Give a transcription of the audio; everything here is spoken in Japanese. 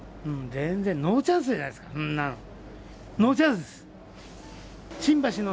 全然ノーチャンスじゃないですか、そんなの。